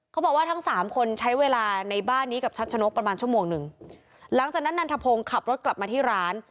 เขาบอกว่าทั้งสามคนใช้เวลาในบ้านนี้กับชัดชะนกประมาณชั่วโมงหนึ่งหลังจากนั้นนันทพงศ์ขับรถกลับมาที่ร้าน